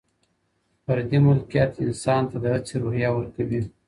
فردي ملکیت انسان ته د هڅي روحیه ورکوي.